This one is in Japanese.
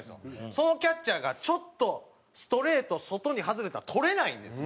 そのキャッチャーがちょっとストレート外に外れたら捕れないんですよ。